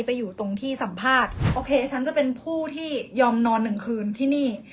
ไปอยู่ตรงที่สัมภาษณ์โอเคฉันจะเป็นผู้ที่ยอมนอนหนึ่งคืนที่นี่